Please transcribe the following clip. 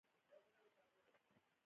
ځکه وزن او قافیه پکې شرط دی.